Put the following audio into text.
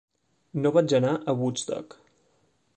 No vaig anar a Woodstock.